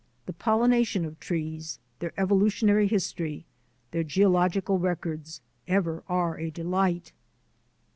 The pollination of trees, their evolutionary his tory, their geological records, ever are a delight.